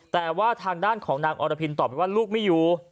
แต่ว่าทางด้านของนางอรพินตอบไปว่าลูกไม่อยู่